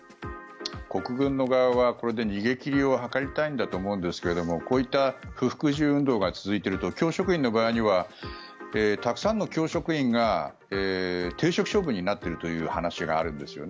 国軍の側はこれで逃げ切りを図りたいんだと思いますがこういった不服従運動が続いていると教職員の場合にはたくさんの教職員が停職処分になっているという話があるんですよね。